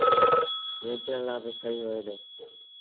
ويٚنچڻ لآ با سهيٚ هوئي دو۔